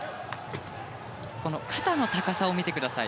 肩の高さを見てください。